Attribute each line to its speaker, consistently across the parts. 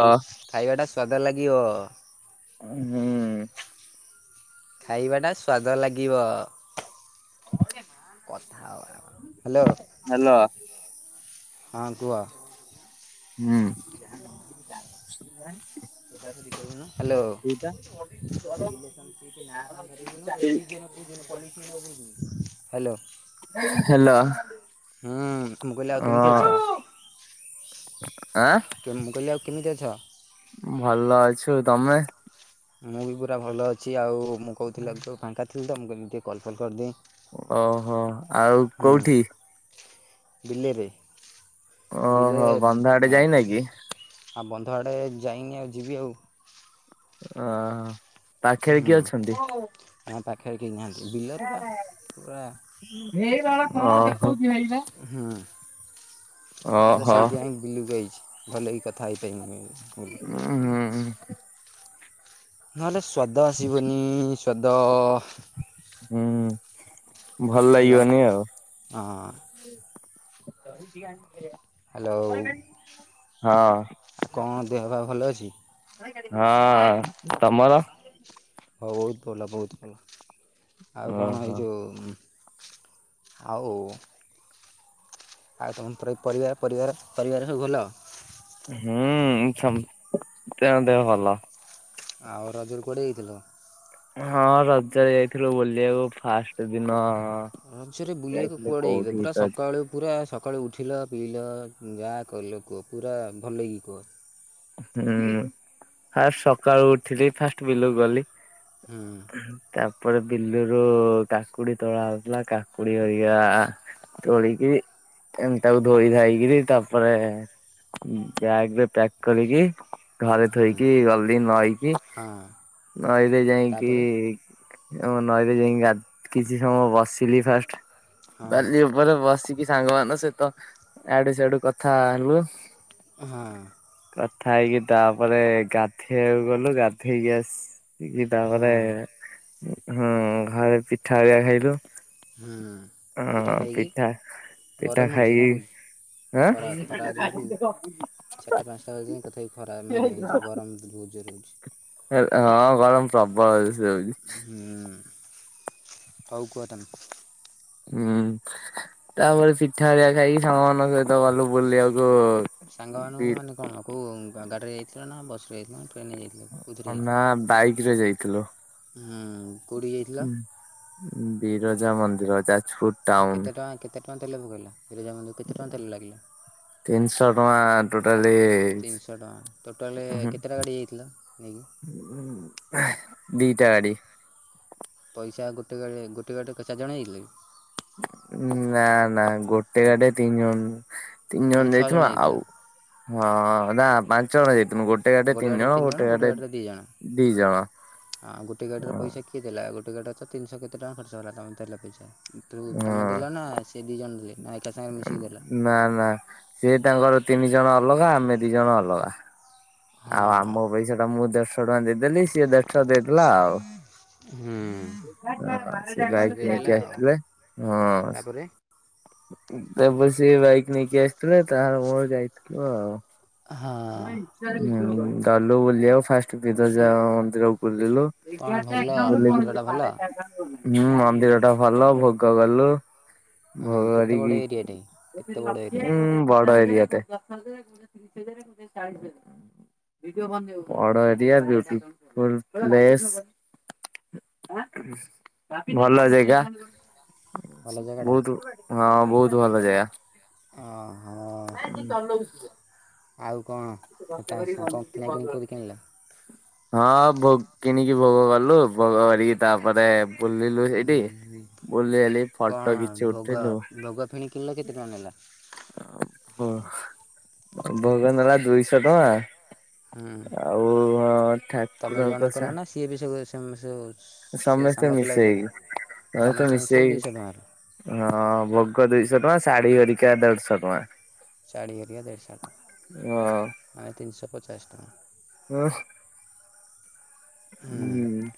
Speaker 1: ହଉ ଖାଇବାଟା ସ୍ଵାଦ ଲାଗିବ।
Speaker 2: ଉଁ ହୁଁ।
Speaker 1: ଖାଇବା ଟା ସ୍ଵାଦ ଲାଗିବ।
Speaker 2: ଓ କେ।
Speaker 1: କଥା ହବା
Speaker 2: ହାଲୋ।
Speaker 1: ହ୍ୟାଲୋ ହଁ କୁହ।
Speaker 2: ହୁଁ। ଶ
Speaker 1: ହାଲୋ। ହ୍ୟାଲୋ। ହୁଁ ମୁଁ କହିଲି ଆଉ
Speaker 2: ହାଲୋ
Speaker 1: କେମିତି
Speaker 2: ହଁ।
Speaker 1: ଅଛ?
Speaker 2: ଆଁ?
Speaker 1: ଯୋଉ ମୁଁ କହି ଆଉ କେମିତି ଅଛ?
Speaker 2: ଭଲ ଅଛୁ ତମେ?
Speaker 1: ମୁଁ ବି ପୁରା ଭଲ ଅଛି ଆଉ ମୁଁ କହୁଥିଲି ଅବିକ ଫାଙ୍କା ଥିଲି ତ ମୁଁ କହିଲି ମୁଁ କଲ୍ ଫଲ୍ କରିଦିଏ।
Speaker 2: ଓହୋ ଆଉ
Speaker 1: ହୁଁ
Speaker 2: କୋଉଠି?
Speaker 1: ବିଲେରେ ବିଲେ
Speaker 2: ଓହୋ ବନ୍ଧ ଆଡେ
Speaker 1: ଆଁ
Speaker 2: ଯାଇନା କି
Speaker 1: ଆଉ ବନ୍ଧ ଆଡ଼େ ଯାଇଁ ନି ଆଉ ଯିବି ଆଉ।
Speaker 2: ଓହ ପାଖରେ
Speaker 1: ହୁଁ
Speaker 2: କିଏ ଅଛନ୍ତି?
Speaker 1: ନା ପାଖେରେ କେହି ନାହାଁନ୍ତି ବିଲେରେ ବା। ପୁରା
Speaker 2: ଅ ହଁ।
Speaker 1: ହୁଁ। ଦାଦା ସେଇଥିପାଇଁ ବିଲକୁ ଆଇଚି, ଭଲକି କଥା ହେଇପାରି ହୁଲ
Speaker 2: ଉଁ ହୁଁ।
Speaker 1: ନହେଲେ ସ୍ଵାଦ ଆସିବନି ସ୍ଵାଦ।
Speaker 2: ହୁଁ। ଭଲ ଲାଗିବନି ଆଉ
Speaker 1: [unintelligible] ହଁ।
Speaker 2: [inaudible]
Speaker 1: ହାଲୋ।
Speaker 2: ହଁ
Speaker 1: ଆଉ କଣ ଦେହ ପା ଭଲଅଛି?
Speaker 2: ହଁ। ତମର?
Speaker 1: ବହୁତ୍ ଭଲ ବହୁତ୍ ଭଲ। ଆଉ କଣ
Speaker 2: ଓହୋ।
Speaker 1: ଏଇଯୋଉ ଆଉ ଆଉ [unintelligible] ପରିବାର ପରିବାର ପରିବାର ସବୁଭଲ?
Speaker 2: ହୁଁ ସମସ୍ତ ଙ୍କ ଦେହଭଲ।
Speaker 1: ଆଉ ରଜରେ କୁଆଡେ ଯାଇଥିଲ?
Speaker 2: ହଁ ରଜରେ ଯାଇଥିଲୁ ବୁଲିବାକୁ, ଫାଷ୍ଟଦିନ
Speaker 1: ରଜରେ ବୁଲିବାକୁ କୁଆଡେ ଯାଇଥିଲ? ପୁରାସକାଳୁ ପୁରା ସକାଳୁ ଉଠିଲ ପିଇଲ ଯାହା କଲ କୁହ। ପୁରା ଭଲକି କୁହ।
Speaker 2: ହୁଁ। ଫାଷ୍ଟ ସକାଳୁ ଉଠିଲି ଫାଷ୍ଟ ବିଲକୁ ଗଲି।
Speaker 1: ହୁଁ।
Speaker 2: ତାପରେ ବିଲୁରୁ କାକୁଡି ତୋଳା ହଉଥିଲା, କାକୁଡି ଧରିକି ଆ ତୋଳିକିରି ଏମିତି ତାକୁ ଧୋଇ ଧାଇକିରି ତାପରେ ବ୍ୟାଗ୍ ରେ ପ୍ୟାକ୍ କରିକି ଘରେ
Speaker 1: ହୁଁ
Speaker 2: ଥୋଇକି ଗଲି ନଈକି।
Speaker 1: ହଁ
Speaker 2: ନଈରେ ଯାଇଁକି
Speaker 1: ତାପରେ
Speaker 2: ନଈରେ ଯାଇଁକି ଗା କିଛି ସମୟ ବସିଲି ଫାଷ୍ଟ।
Speaker 1: ହଁ
Speaker 2: ବାଲି ଉପରେ ବସିକି ସାଙ୍ଗମାନଙ୍କ ସହିତ ଇଆଡୁ ସିଆଡୁ କଥା ହେଲୁ।
Speaker 1: ହଁ।
Speaker 2: କଥା ହେଇକି ତାପରେ ଗାଧେଇବାକୁ ଗଲୁ। ଗାଧେଇକି ଆସ୍ ତାପରେ
Speaker 1: ହଁ
Speaker 2: ହୁଁ ଘରେ ପିଠା ହେରିକା ଖାଇଲୁ।
Speaker 1: ହୁଁ। ପିଠା ଖାଇକି,
Speaker 2: ପିଠା
Speaker 1: ଗରମ ହଉଚି ନା।
Speaker 2: ଖାଇକି
Speaker 1: [unintelligible] ଖରା ଖରା ଯୋଗୁରୁ ଚାରିଟା ପାଞ୍ଚଟା ବାଜିଲାଣି ତଥାପି ଖରା ମାନେ ଏ ଯୋଉ ଗରମ୍ ବହୁତ୍ ଜୋରେ ହଉଚି।
Speaker 2: ହଁ ଗରମ ପ୍ରବଳ ଯୋରସେ ହଉଚି।
Speaker 1: ହୁଁ। ହଉ କୁହ ତମେ।
Speaker 2: ହୁଁ। ତାପରେ ପିଠା ହେରିକା ଖାଇକି ସାଙ୍ଗମାନଙ୍କ ସହିତ ଗଲୁ ବୁଲିବାକୁ
Speaker 1: ସାଙ୍ଗ
Speaker 2: ବି
Speaker 1: ମାନଙ୍କୁ ମାନେ କଣ କୋଉ ଗାଡିରେ ଯାଇଥିଲ ନା ବସ୍ ରେ? ନା ଟ୍ରେନ୍ ରେ ଯାଇଥିଲ, କୋଉଥିରେ
Speaker 2: ନା
Speaker 1: ଯାଇଥିଲ?
Speaker 2: ବାଇକ୍ ରେ ଯାଇଥିଲୁ।
Speaker 1: ହୁଁ।
Speaker 2: ବିରଜା ମନ୍ଦିର, ଯାଜପୁର ଟାଉନ
Speaker 1: କେତେଟଙ୍କା କେତେ ଟଙ୍କାରେ ତେଲ ପକେଇଲ? ବିରଜା ମନ୍ଦିର କୁ କେତେଟଙ୍କା ତେଲ ଲାଗିଲା?
Speaker 2: ତିନିଶହ ଟଙ୍କା ଟୋଟାଲି
Speaker 1: ତିନିଶହ ଟଙ୍କା। ଟୋଟାଲ କେତେଟା ଗାଡି ଯାଇଥିଲ ନେଇକି?
Speaker 2: ଦିଟା ଗାଡି।
Speaker 1: ପଇସା ଗୋଟେ ଗାଡି ଗୋଟେ ଗାଡିରେ କେତେ ଚାରି ଯାଇଥିଲ କି?
Speaker 2: ନା ନା ଗୋଟେ
Speaker 1: ଆଉ
Speaker 2: ଗାଡିରେ ତିନି ଜଣ, ତିନି
Speaker 1: ମାନେ
Speaker 2: ଜଣ
Speaker 1: ଛଅ
Speaker 2: ଯାଇଥିଲୁ।
Speaker 1: ଯାଇଥିଲ
Speaker 2: ଆଉ ହଁ। ନା ପାଞ୍ଚ ଜଣ ଯାଇଥିଲୁ। ଗୋ
Speaker 1: ଆଉ ଗୋଟେ ଗାଡ଼ିରେ ତିନି ଜଣ ଗୋଟେ ଗାଡ଼ିରେ ଦିଜଣ
Speaker 2: ଦି ଜଣ।
Speaker 1: ଆଉ ଗୋଟେ ଗାଡ଼ିର
Speaker 2: ହଁ
Speaker 1: ପଇସା କି କିଏ ଦେଲା ଗୋଟେ ଗାଡ଼ର ତିନିଶହ କେତେ ଟଙ୍କା ଖର୍ଚ୍ଚ ହେଲା ତମ ତେଲ ପଇସା ତୁ ତମେ ଦେଲନା ସି ସେ ଦି ଜଣ ଥିଲେ ମାନେ ଏକା ସାଙ୍ଗରେ ମିଶିକି ଦେଲ
Speaker 2: ନା ନା ସିଏ ତାଙ୍କର ତିନିଜଣ ଅଲଗା ଆମେ ଦିଜଣ ଅଲଗା ଆଉ
Speaker 1: ହଁ
Speaker 2: ଆମ ପଇସାଟା ମୁଁ ଦେଢ଼ଶହ ଟଙ୍କା ଦେଇଦେଲି ସିଏ ଦେଢ଼ ଶହ ଦେଇଦେଲା ଆଉ
Speaker 1: ହୁଁ।
Speaker 2: ସେ
Speaker 1: ଦେଢ଼ଶହ
Speaker 2: ବାଇକି
Speaker 1: ଦେଇଦେଲା
Speaker 2: ନେଇକି
Speaker 1: ଆଉ
Speaker 2: ଆଇଥିଲେ ହଁ
Speaker 1: ତାପରେ
Speaker 2: ତାପରେ ସିଏ ବାଇକ୍ ନେଇକି ଆସିଥିଲେ ତାହାର ମୋର ଯାଇଥିଲୁ ଆଉ
Speaker 1: ହଁ
Speaker 2: ଗଲୁ ବୁଲିବାକୁ ଫାଷ୍ଟ ବିରଜା ମନ୍ଦିର ବୁଲିଲୁ
Speaker 1: କ'ଣ ଭଲ
Speaker 2: ବୁଲିଲୁ
Speaker 1: ମନ୍ଦିରଟା ଭଲ
Speaker 2: ହୁଁ ମନ୍ଦିରଟା ଭଲ ଭୋଗକଲୁ
Speaker 1: କେତେ ବଡ଼ ଏରିଆଟେ କେତେ ବଡ଼
Speaker 2: ଭୋଗକରିକି
Speaker 1: ଏରିଆଟେ
Speaker 2: ଉଁ ବଡ଼ ଏରିଆଟେ ଦଶହଜାର କୋଉଟା ତିରିଶିହଜାର କୋଉଟା ଚାଳିଶିହଜାର ବଡ଼ ଏରିଆ ବିୟୁଟିଫୁଲ ପ୍ଲେଶ୍ ଭଲ ଜେଗା।
Speaker 1: ଭଲ ଜାଗାଟା
Speaker 2: ବହୁତୁ ହଁ ବହୁତ ଭଲ ଜାଗା।
Speaker 1: ଅହଁ। ଆଉ କଣ ତା ସ କଣ କିଣାକିଣିି କୋଉଠି କିଣିଲ?
Speaker 2: ହଁ ଭୋଗ୍ କିଣିକି ଭୋଗ କଲୁ ଭୋଗ କରିକି ତାପରେ ବୁଲିଲୁ ହେଇଠି ବୁଲି ହେଲି ଫଟୋ
Speaker 1: କ'ଣ
Speaker 2: କିଛି
Speaker 1: ଭୋଗ
Speaker 2: ଉଠେଇଲୁ
Speaker 1: ଭୋଗ ଫିଣି କିଣିଲ କେତେ ଟଙ୍କା ନେଲା
Speaker 2: ଓ ଭୋଗନେଲା ଦୁଇଶହ ଟଙ୍କା।
Speaker 1: ହୁଁ
Speaker 2: ଆଉ ହଁ
Speaker 1: ତମେ ଜଣେ
Speaker 2: ଠାକୁରଙ୍କ ସା
Speaker 1: [unintelligible]
Speaker 2: ସମସ୍ତେ
Speaker 1: ସାଙ୍ଗ ପିଲା ବି କଲେ?
Speaker 2: ମିଶେଇକି ସମସ୍ତେ
Speaker 1: ମିଶି
Speaker 2: ମିଶେଇ
Speaker 1: ଦୁଇଶହ ଟଙ୍କାର
Speaker 2: ହେଇକି ହଁ ଭୋଗ ଦିଇଶହ ଟଙ୍କା ଶାଢ଼ୀ ହେରିକାଦେଢ଼ ଶହ ଟଙ୍କା।
Speaker 1: ଚାଳି ହେରିକା
Speaker 2: ହଁ।
Speaker 1: ଯାଇଛନ୍ତି ଆଉ ତିନଶହ ପଚାଶ ଟଙ୍କା।
Speaker 2: ହୁଁ।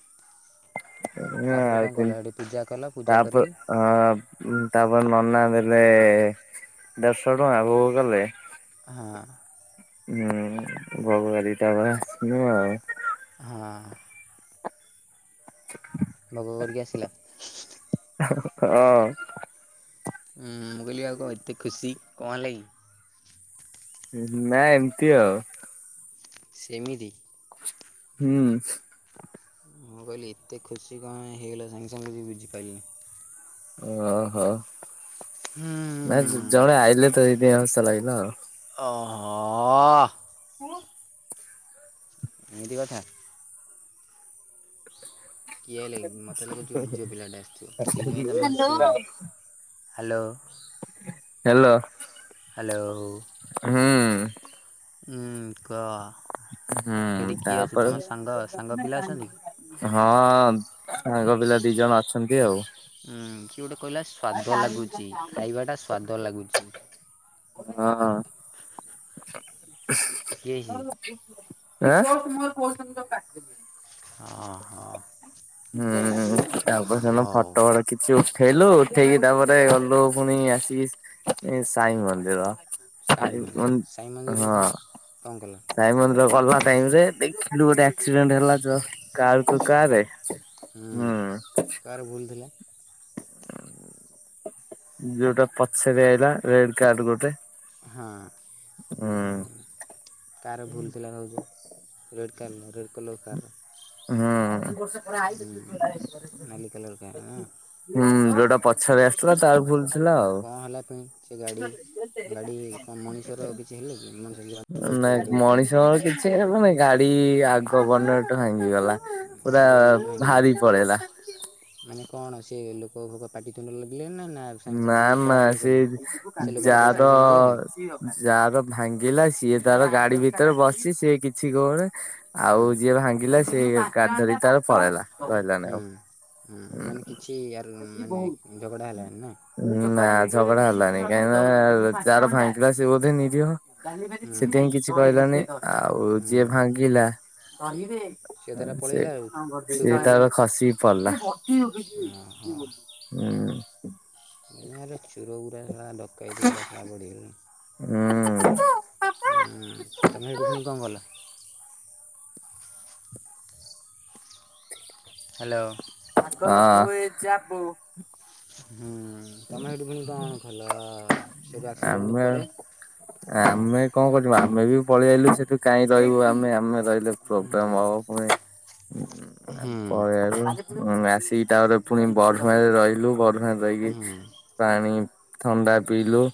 Speaker 1: ତାପରେ କଣ କଲ
Speaker 2: [unintelligible]
Speaker 1: ସେଠି ପୂଜା କଲ ପୂଜା
Speaker 2: ତାପ
Speaker 1: କରିକି
Speaker 2: ହଁ। ତାପରେ ନନା ଦେଲେ ଦେଢ଼ଶହ ଟଙ୍କା ଭୋଗ କଲେ
Speaker 1: ହାଁ।
Speaker 2: ହୁଁ ଭୋଗ କରିକି ତାପରେ ଆସିବେ ଆଉ
Speaker 1: ହଁ। ଭୋଗ କରିକି ଆସିଲା।
Speaker 2: ହଁ।
Speaker 1: ଉମ ମୁଁ କହିଲି ଆଉ କଣ ଏତେ ଖୁସି କଣ ହେଲା କି?
Speaker 2: ନା ଏମିତି ଆଉ।
Speaker 1: ସେମିତି।
Speaker 2: ହୁଁ।
Speaker 1: ମୁଁ କହିଲି ଏତେ ଖୁସି କଣ ହେଇଗଲା ସାଙ୍ଗେ ସାଙ୍ଗେ ମୁଁ କିଛି ବୁଝିପାରିଲିନି।
Speaker 2: ଓ ହୋ।
Speaker 1: ହୁଁ।
Speaker 2: ନା ଜ ଜଣେ ଆଇଲେ ତ ସେଥି ପାଇଁ ହସ ଲାଗିଲା ଆଉ।
Speaker 1: ଅ ହ। ଆ।
Speaker 2: ହଁ।
Speaker 1: ଏମିତି କଥା। କିଏ ଆଇଲା କି ମତେ ଲାଗୁଛି ଗୋଟେ ଝିଅ ପିଲାଟା ଆସିଥିବ ସେଇଥିପାଇଁ ତମେ ଆସିଥିବ ଆଉ। ହ୍ୟାଲୋ।
Speaker 2: ହେଲୋ।
Speaker 1: ହ୍ୟାଲୋ ହୁଁ କୁହ। ସେଠି
Speaker 2: ହୁଁ
Speaker 1: କିଏ ଅଛି
Speaker 2: ତାପରେ
Speaker 1: ତମ ସାଙ୍ଗ ସାଙ୍ଗ ପିଲା ଅଛନ୍ତି କି?
Speaker 2: ହଁ ସାଙ୍ଗ ପିଲା ଦି ଜଣ ଅଛନ୍ତି ଆଉ।
Speaker 1: ଉଁ କିଏ ଗୋଟେ କହିଲା ସ୍ବାଦ ଲାଗୁଚି ଖାଇବାଟା ସ୍ୱାଦ ଲାଗୁଚି।
Speaker 2: ହଁ। [inaudible]
Speaker 1: କିଏ ସିଏ।
Speaker 2: ଏଁ [inaudible]
Speaker 1: ଅ ହଁ।
Speaker 2: [unintelligible]
Speaker 1: ହଉ
Speaker 2: କିଛି ଉଠେଇଲୁ ଉଠେଇକି ତାପରେ ଗଲୁ ପୁଣି ଆସିକି ଏ ସାଇ ମନ୍ଦିର।
Speaker 1: ସାଇ ମନ୍ଦିର ସାଇ ମନ୍ଦିରରେ
Speaker 2: ହଁ
Speaker 1: ପୁଣି କଣ କଲ।
Speaker 2: ସାଇ ମନ୍ଦିର ଗଲା ଟାଇମ ରେ ଦେଖିଲୁ ଗୋଟେ ଆକ୍ସିଡେଣ୍ଟ ହେଲା ତ କାର୍ କୁ କାରେ ହୁଁ।
Speaker 1: କାରେ ଭୁଲଥିଲା।
Speaker 2: ଯୋଉଟା ପଛରେ ଆଇଲା ରେଡ କାର ଗୋଟେ।
Speaker 1: ହଁ କାର ଭୁଲ ଥିଲା ଭାବୁଚ। ରେଡ଼୍ କାରିଲ ରେଡ଼ କଲର କାରର।
Speaker 2: ହଁ [inaudible]
Speaker 1: ନାଲି କଲର୍ କାର୍ ନା
Speaker 2: ହୁଁ ଯୋଉଟା ପଛରେ ଆସିଥିଲା ତାର ଭୁଲ। ଥିଲା ଆଉ।
Speaker 1: କଣ ହେଲା ପଣି ସେ ଗାଡି ଗାଡି କଣ ମଣିଷର କିଛି ହେଲେ କି ମାନେ
Speaker 2: ନାଇ ମଣିଷଙ୍କର କିଛି ହେବନେଇ ଗାଡି ଆଗ ବନେଟ୍ ଭାଙ୍ଗିଗଲା। ପୁରା
Speaker 1: ଆଗ ବନେଟ୍ ଭାଙ୍ଗିଗଲା
Speaker 2: ଭାରି ପଳେଇଲା।
Speaker 1: ମାନେ କଣ ସେ ଲୋକ ଭୋକ ପାଟିିତୁଣ୍ଡ ଲାଗିଲେ ନା ନା ସାଙ୍ଗେ
Speaker 2: ନା
Speaker 1: ସାଙ୍ଗେ ସେମିତି
Speaker 2: ନା
Speaker 1: ପଳାପଳି
Speaker 2: ସେ
Speaker 1: କଲେ ସେ ଲୋକଟା ପଇସା
Speaker 2: ଯାାର
Speaker 1: ଫଇସା ମାଗିଲାନି
Speaker 2: ଯାର ଭାଙ୍ଗିଲା ସିଏ ତାର ଗାଡି ଭିତରେ ବସିଚି ସିଏ କିଛି କହୁନି। ଆଉ
Speaker 1: ହୁଁ
Speaker 2: ଯିଏ ଭାଙ୍ଗିଲା ସିଏ କାଚ ଦେଇ ତାର ପଳେଇଲା ରହିଲାନି ଆଉ।
Speaker 1: ହୁଁ ହୁଁ ମାନେ କିଛି ଆ ର୍ ମାନେ ଝଗଡ଼ା ହେଲା ନି ନା।
Speaker 2: ନା ଝଗଡା ହେଲାନି କାହିଁ ନା ଯାର ଭାଙ୍ଗିଲା ସିଏ ବୋଧେ ନିରୀହ।
Speaker 1: ହୁଁ
Speaker 2: ସେଥିପାଇଁ କିଛି କହିଲାନି ଆଉ ଯିଏ
Speaker 1: ହୁଁ
Speaker 2: ଭାଙ୍ଗିଲା ଅ
Speaker 1: ତା'ର
Speaker 2: ସେ
Speaker 1: ପଳେଇଲା ଆଉ
Speaker 2: ସି ତାଳେ ଖସିି ପଳଲା।
Speaker 1: ଓ ହୋ। [unintelligible] ଚୁର ଗୁରା ଶଳା ଡକାୟତି ଗୁରା ଶଳା ବଢିଗଲେଣୀ।
Speaker 2: ହଉଁ
Speaker 1: ହୁଁ ତମେ ହେଇଟୁ ପୁଣି କଣ କଲ? ହ୍ୟାଲୋ।
Speaker 2: ହଁ। [inaudible]
Speaker 1: ହୁଁ ତମେ ହେଇଟୁ ପୁଣି କଣ କଲ? ସେଇଠୁ ଆକ୍ସିଡେଣ୍ଟ
Speaker 2: ଆମେ ଆ
Speaker 1: ପରେ
Speaker 2: ଆମେ କଣ କରବୁ ଆମେ ବି ପଳେଇ ଆଈଲୁ ସେଠୁ କାଇଁ ରହିବୁ ଆମେ ଆମେ ରହିଲେ ପ୍ରୋବ୍ଲମ
Speaker 1: ହୁଁ
Speaker 2: ହବ ପୁଣି।
Speaker 1: ହୁଁ
Speaker 2: ପଲେଇ ଆଇଲୁ। ଉଁ ଆସିକି ତାରେ ଫୁଣି ବରୁହାଁରେ ରହିଲୁ ବରହାଁରେ ରହିକି
Speaker 1: ହୁଁ
Speaker 2: ପାଣି ଥଣ୍ଡା ପିିଇଲୁ।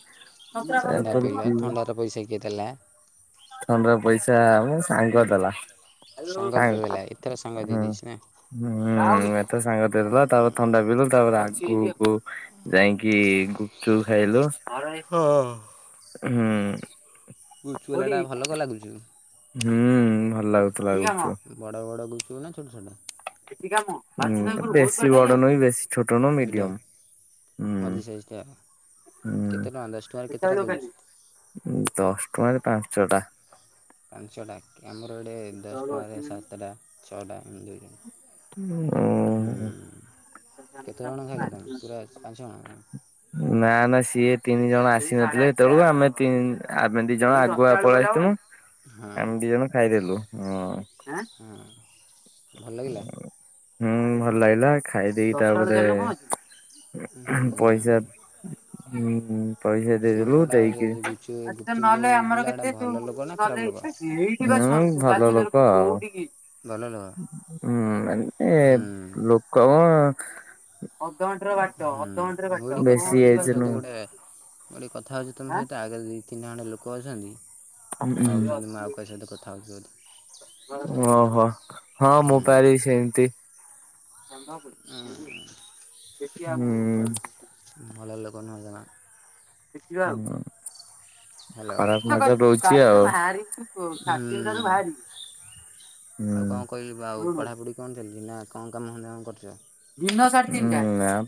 Speaker 1: ଥଣ୍ଡା ପିଇଲା ଥଣ୍ଡାର ପଇସା କିଏ ଦେଲା?
Speaker 2: ଥଣ୍ଡା ର ପଇସା ମୋ ସାଙ୍ଗ ଦେଲା।
Speaker 1: ସାଙ୍ଗ ଜୁ ହେଲା ଏଥର ସାଙ୍ଗ ଦେଇ
Speaker 2: ହୁଁ।
Speaker 1: ଦେଇଛି ନାଇଁ।
Speaker 2: ହୁଁ ଏଥର ସାଙ୍ଗ ଦେଇ ଦେଲା ତାପରେ ଥଣ୍ଡା ପିଇଲୁ ତାପରେ ଆକୁ - କୁ ଯାଇକି ଗୁପଚୁପ୍ ଖାଇଲୁ।
Speaker 1: ହଁ।
Speaker 2: ହୁଁ।
Speaker 1: ଗୁପଚୁପ୍ ବାଲାଟା ଭଲ ତ ଲାଗୁଚି
Speaker 2: ହୁଁ ଭଲ ଲାଗୁଥିଲା ଆଜି ସେତେ।
Speaker 1: ବଡ଼ ବଡ଼ ବିକିବୁ ନା ଛୋଟ ଛୋଟ
Speaker 2: ବେଶୀ ବଡ ନୁହୁ କି ବେଶୀ ଛୋଟ ନୁହୁଁ
Speaker 1: ମିଡ଼ିୟମ୍
Speaker 2: ମିଡିୟମ୍।
Speaker 1: ମଝି ସାଇଜ ଟା
Speaker 2: ହୁଁ
Speaker 1: କେତେ ଟଙ୍କା ଦଶ ଟଙ୍କାରେ କେତେଟା ଦୋଉଚି?
Speaker 2: ଦଶ ଟଙ୍କା ରେ ପାଞ୍ଚ ଟା।
Speaker 1: ପାଞ୍ଚଟା କ୍ୟାମରୋଟେ ଦଶ ଟଙ୍କାରେ ସାତଟା ଛଅଟା ଏମିତି। ହୁଁ
Speaker 2: ଉଁ
Speaker 1: କେତେ ଜଣ ଖାଇଲେ ତମ ପୁରା ପାଞ୍ଚ ଜଣ।
Speaker 2: ନା ନା ସିଏ ତିନି ଜଣ ଆସିନଥିଲେ ସେତେବେଳକୁ ଆମେ ଆମେ ଦି ଜଣ ଆଗୁଆ ପଳେଇ ଆସିଥିଲୁ।
Speaker 1: ହଁ
Speaker 2: ଆମେ ଦି ଜଣ ଖାଇଦେଲୁ ହଁ।
Speaker 1: ହଁ ଭଲ ଲାଗିଲା?
Speaker 2: ହୁଁ ଭଲ ଲାଗିଲା ଖାଇଦେଇ ତାପରେ
Speaker 1: ହୁଁ
Speaker 2: ପଇସା ହୁଁ ହୁଁ। ପଇସା
Speaker 1: ସେ
Speaker 2: ଦେଇଦେଲୁ
Speaker 1: ଲୋକଟା
Speaker 2: ଦେଇକି
Speaker 1: ଗୁପଚୁପ୍ ଗୁପଚୁପ୍ ଯେଉଁ ଦେଲା ଏଇଟା
Speaker 2: ହଁ
Speaker 1: ଭଲ ଲୋକ ନା ଖରାପ ଲୋକ
Speaker 2: ଭଲ ଲୋକ ଆଉ।
Speaker 1: ଭଲ ଲୁଗା।
Speaker 2: ହୁଁ ମାନେ ଲୋକ କଣ ଅଧଘଣ୍ଟେ ର ବାଟ
Speaker 1: ହୁଁ
Speaker 2: ଅଧଘଣ୍ଟେ ର
Speaker 1: ମୁଁ ଏଠି କଥା ହେଉଛି ତୁମ ସହିତ
Speaker 2: ବାଟ
Speaker 1: ଗୋଟେ କଥା ହେଉଚି ତମ ସହିତ ଆଗରେ ଦୁଇ ତିନି ଜଣ ଲୋକ ଅଛନ୍ତି
Speaker 2: ହୁଁ।
Speaker 1: ଭାବୁଛନ୍ତି ମାଆ କୁ ପଇସା ତ କଥା ହୋଉଥିବ ଯଦି
Speaker 2: ଓହୋ ହଁ ମୁଁ ପା ଏଇ ସେମିତି ହୁଁ।
Speaker 1: ଭଲ ଲୋକ ନୁହଁ ଯମା।
Speaker 2: ଦେଖିବା ଆଉ କଣ।
Speaker 1: ହ୍ୟାଲୋ
Speaker 2: ଖରାପ୍ ଭାଷା ଦୋଉଚି ଆଉ।
Speaker 1: ହୁଁ ଆଉ କଣ କହିଲୁ ବା ଆଉ ପଢ଼ାପଢ଼ି କଣ ଚାଲିଛି ନା କଣ କାମ ଧନ୍ଦା ଆଉ କଣ କରୁଚ?
Speaker 2: ନା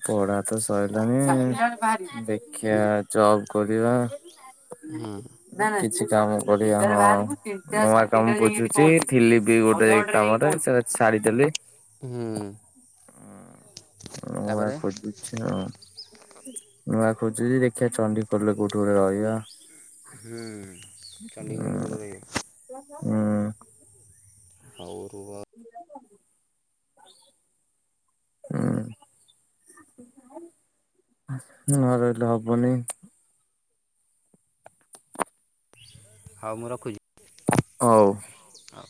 Speaker 2: ପଢା ତ ସରିଲାଣି, ଦେଖିଆ ଯବ୍ କରିବା।
Speaker 1: ହୁଁ ହୁଁ।
Speaker 2: କିଛି କାମ କରିବା ନୂଆ କାମ ବୁଝୁଛି। ଥିଲି ବି ଗୋଟେ କାମରେ ସେ ସାରିଦେଲି।
Speaker 1: ହୁଁ।
Speaker 2: ହଁ ନୂଆ
Speaker 1: ତାପରେ
Speaker 2: ଖୋଜୁଚି। ହଁ ନୂଆ ଖୋଜିଚି ଦେଖିବା ଚଣ୍ଡୀଖୋଲ ରେ କୋଉଠି ଗୋଟେ ରହିବା।
Speaker 1: ହୁଁ ଚଣ୍ଡୀଖୋଲ ରେ କୋଉଠି
Speaker 2: ଉଁ।
Speaker 1: ରହିବ?
Speaker 2: ହୁଁ।
Speaker 1: ହଉ ରୁହ।
Speaker 2: ହୁଁ। ନ ରହିଲେ ହବନି।
Speaker 1: ହଉ ମୁଁ ରଖୁଛି।
Speaker 2: ହଉ।
Speaker 1: ହଉ।